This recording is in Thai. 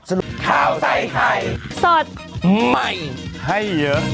โปรดติดตามตอนต่อไป